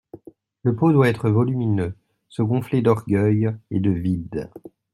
Le pot doit être volumineux, se gonfler d’orgueil et de vide.